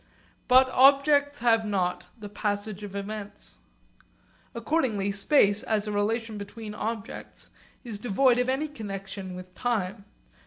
But objects have not the passage of events. Accordingly space as a relation between objects is devoid of any connexion with time.